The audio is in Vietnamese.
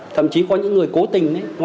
thậm chí có những người cố tình ấy